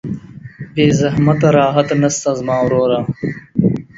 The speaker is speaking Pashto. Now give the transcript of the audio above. بې زحمته راحت نسته زما وروره